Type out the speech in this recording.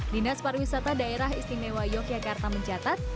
dinas pariwisata daerah istimewa yogyakarta mencatat